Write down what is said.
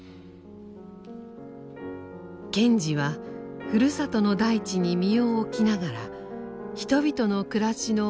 賢治はふるさとの大地に身を置きながら人々の暮らしの周り